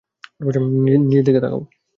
নিজের দিকে তাকাও!